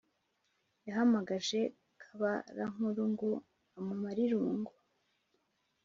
yahamagaje kabarankuru ngo amumare irungu.